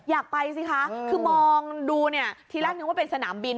อยากไปสิคะคือมองดูเนี่ย